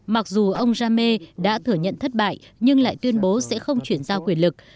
mặc dù ông jame đã thừa nhận thất bại nhưng lại tuyên bố sẽ không chuyển giao quyền lực